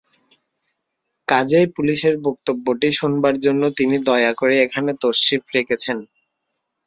কাজেই পুলিশের বক্তব্যটি শোনবার জন্যে তিনি দয়া করে এখানে তশরিফ রেখেছেন।